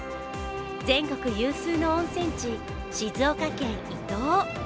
全国有数の温泉地、静岡県伊東。